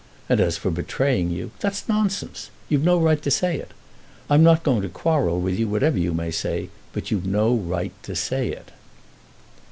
And as for betraying you, that's nonsense. You've no right to say it. I'm not going to quarrel with you whatever you may say, but you've no right to say it."